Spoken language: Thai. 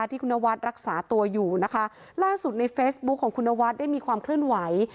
ที่คุณนวัดรักษาตัวอยู่นะคะล่าสุดในเฟซบุ๊คของคุณนวัดได้มีความเคลื่อนไหว